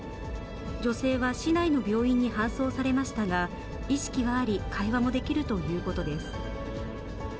女性は市内の病院に搬送されましたが、意識はあり、会話もできるということです。